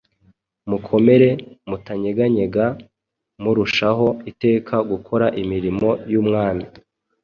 mukomere mutanyeganyega murushaho iteka gukora imirimo y’umwami,